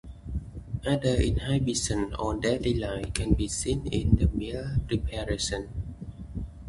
Other inhibitions on daily life can be seen in meal preparation.